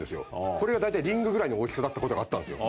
これが大体リングぐらいの大きさだった事があったんですよ。